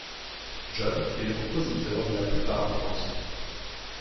John est le compositeur de la plupart des morceaux.